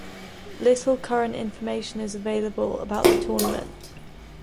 Little current information is available about the tournament.